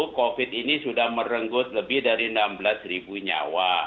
kita tahu covid ini sudah merenggut lebih dari enam belas nyawa